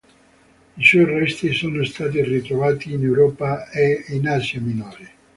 I suoi resti sono stati ritrovati in Europa e in Asia Minore.